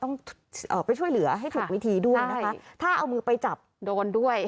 ต้องเอ่อไปช่วยเหลือให้ถูกวิธีด้วยนะคะถ้าเอามือไปจับโดนด้วย